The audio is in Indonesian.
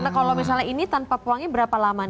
nah kalau misalnya ini tanpa pewangi berapa lama nih